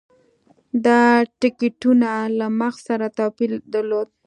دا تکتیکونه له مغز سره توپیر درلود.